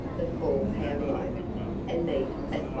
the four pound loaf, and meat at 5d.